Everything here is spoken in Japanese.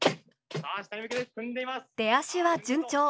出足は順調。